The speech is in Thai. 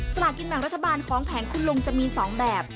สลากินแบ่งรัฐบาลของแผงคุณลุงจะมี๒แบบ